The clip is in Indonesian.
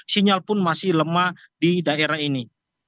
sinyal pun masih lemah di daerah ini